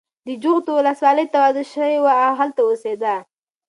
د جغتو ولسوالۍ ته واده شوې وه او هلته اوسېده.